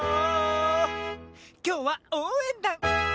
きょうはおうえんだん！